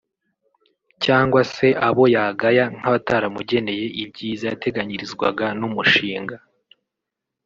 cyangwa se abo yagaya nk’abataramugeneye ibyiza yateganyirizwaga n’umushinga